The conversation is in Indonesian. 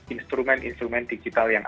instrumen instrumen digital yang